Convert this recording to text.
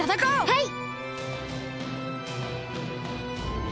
はい！